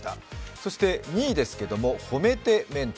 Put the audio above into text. そして２位ですけれども、ほめてメンテ。